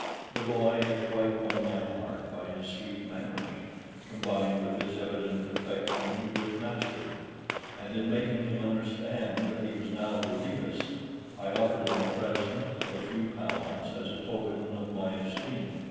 The boy had quite won my heart by his sweet manners, combined with his evident affection to his master, and in making him understand that he was now to leave us, I offered him a present of a few pounds as a token of my esteem.